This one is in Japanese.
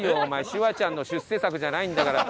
シュワちゃんの出世作じゃないんだから。